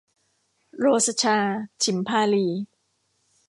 โรสชา ฉิมพาลี